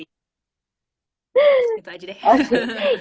itu aja deh